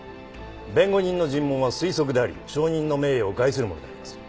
弁護人の尋問は推測であり証人の名誉を害するものであります。